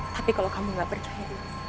tapi kalau kamu gak percaya